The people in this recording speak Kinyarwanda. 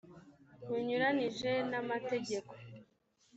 bunyuranije n amategeko